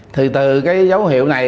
thì từ cái dấu hiệu này